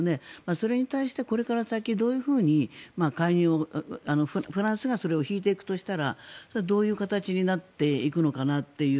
それに対して、これから先どういうふうに介入をフランスがそれを引いていくとしたらそれはどういう形になっていくのかなという。